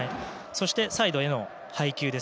そして、サイドへの配球。